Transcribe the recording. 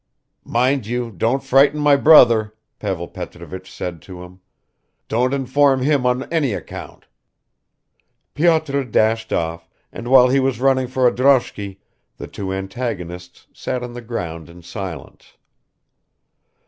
"Mind you don't frighten my brother," Pavel Petrovich said to him; "don't inform him on any account." Pyotr dashed off, and while he was running for a droshky, the two antagonists sat on the ground in silence.